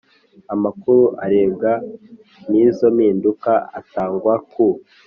Amakuru arebwa n izo mpinduka atangwa ku